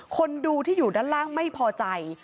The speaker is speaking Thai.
คนดูที่อยู่ด้านล่างไม่พอใจ